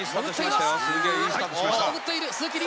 まだ潜っている！